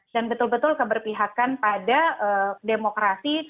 dan betul betul keberpihakan pada demokrasi